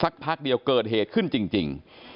พักเดียวเกิดเหตุขึ้นจริง